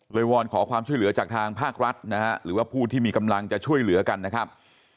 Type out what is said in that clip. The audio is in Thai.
วอนขอความช่วยเหลือจากทางภาครัฐนะฮะหรือว่าผู้ที่มีกำลังจะช่วยเหลือกันนะครับ